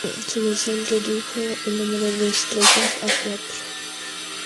Su versión redujo el número de estrofas a cuatro.